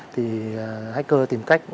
thì hacker tìm cách